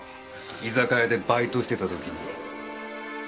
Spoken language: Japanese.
居酒屋でバイトしてたときに。